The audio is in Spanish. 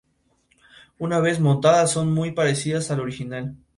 Una vez montadas, son muy parecidas al original.